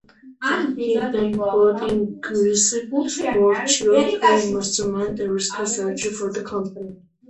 He then brought in Giuseppe Morchio to mastermind a rescue strategy for the company.